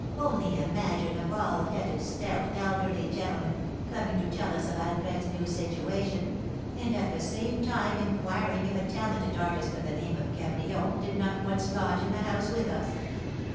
Only imagine a bald headed, stout, elderly gentleman, coming to tell us of Alfred's new situation, and at the same time inquiring if a talented artist of the name of Cabrion did not once lodge in the house with us.